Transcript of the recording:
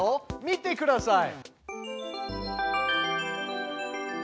見てください。